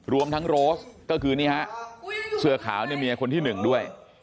รวมทั้งโรสก็คือนี่ฮะเสื้อขาวเนี่ยเมียคนที่หนึ่งด้วย